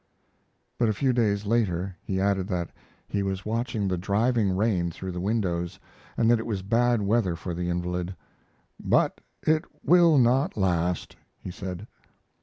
But a few days later he added that he was watching the driving rain through the windows, and that it was bad weather for the invalid. "But it will not last," he said.